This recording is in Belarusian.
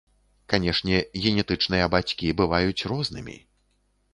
Канешне, генетычныя бацькі бываюць рознымі.